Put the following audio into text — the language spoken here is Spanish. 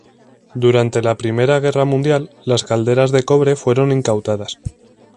Durante la Primera Guerra mundial las calderas de cobre fueron incautadas.